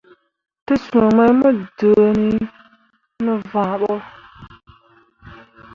Tesũũ mai mo dǝǝni ne vããɓo.